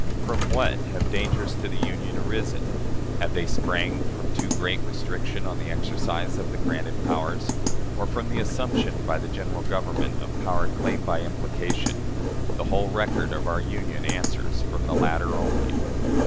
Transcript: From what have dangers to the Union arisen? Have they sprang from too great restriction on the exercise of the granted powers, or from the assumption by the General Government of power claimed by implication? The whole record of our Union answers, from the latter only.